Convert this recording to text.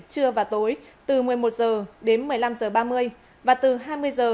trưa và tối từ một mươi một h đến một mươi năm h ba mươi và từ hai mươi h